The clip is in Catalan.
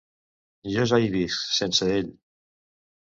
Jo ja hi visc, sense ell.